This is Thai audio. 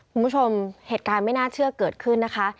คุณผู้ชมเหตุการณ์ไม่น่าเชื่อเกิดขึ้นนะคะ